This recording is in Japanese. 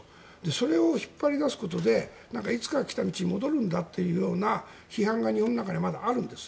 それを引っ張り出すことでいつか来た道に戻るんだというような批判が日本の中にはまだあるんです。